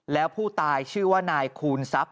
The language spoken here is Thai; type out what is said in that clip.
แล้วผู้ตายชื่อว่านายคูณทรัพย